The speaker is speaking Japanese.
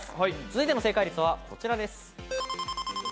続いての正解率はこちらです。